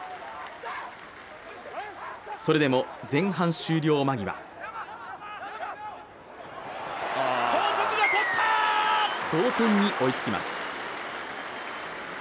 それでも前半終了間際同点に追いつきます。